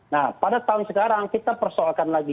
nah pada tahun sekarang kita persoalkan lagi